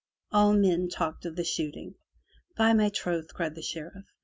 All men talked of the shooting. "By my troth!'' cried the Sheriff.